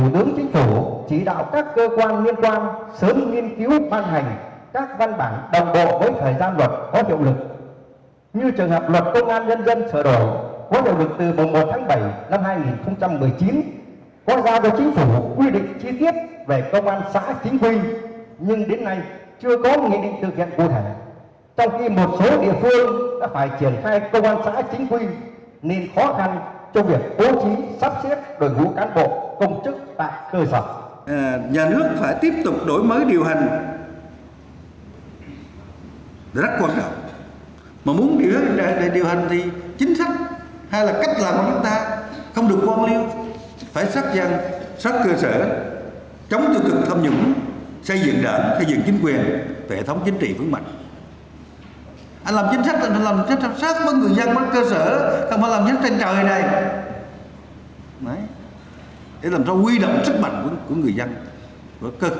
để tránh tình trạng luật ban hành xong các văn bản hướng dẫn thi hành chậm đề nghị thủ tướng chính phủ chỉ đạo các cơ quan liên quan sớm nghiên cứu ban hành các văn bản đồng bộ với thời gian luật có hiệu lực